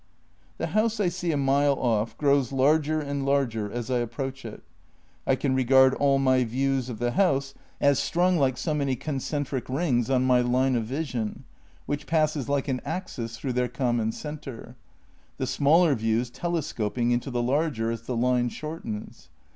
The house I see a mile off grows larger and larger as I approach it. I can regard all my views of the house as strung like so many concentric rings on my line of vision which passes like an axis through their common centre ; the smaller views telescoping into the larger as the line shortens.